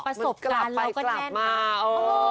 ประสบการณ์เราก็แน่นมาก